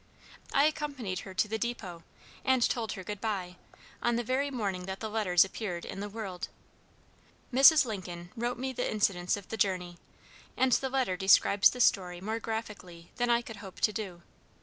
I accompanied her to the depot, and told her good by, on the very morning that the letters appeared in the World. Mrs. Lincoln wrote me the incidents of the journey, and the letter describes the story more graphically than I could hope to do.